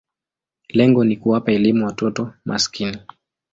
Lengo ni kuwapa elimu watoto maskini.